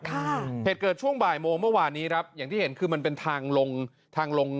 เหตุเกิดช่วงบ่ายโมงเมื่อวานนี้ครับอย่างที่เห็นคือมันเป็นทางลงทางลง